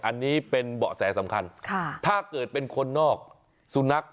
อันนี้เป็นเบาะแสสำคัญถ้าเกิดเป็นคนนอกสุนัข